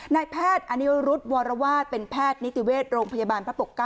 นายแพทย์อนิวรุธวรวาสเป็นแพทย์นิติเวชโรงพยาบาลพระปกเกล้า